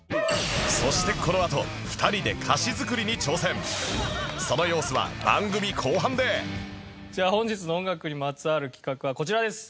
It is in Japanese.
そしてこのあと２人で歌詞作りに挑戦じゃあ本日の音楽にまつわる企画はこちらです。